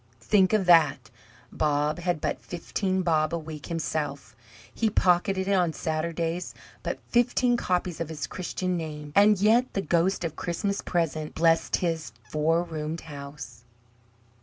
Think of that! Bob had but fifteen "bob" a week himself; he pocketed on Saturdays but fifteen copies of his Christian name; and yet the Ghost of Christmas Present blessed his four roomed house!